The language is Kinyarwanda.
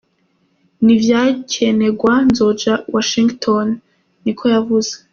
"Ni vyakenegwa nzoja n'i Washington," niko yavuze.